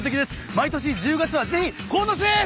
毎年１０月はぜひ鴻巣へ！